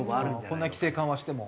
こんな規制緩和しても？